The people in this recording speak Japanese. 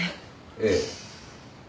ええ。